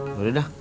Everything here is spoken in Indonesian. udah deh dah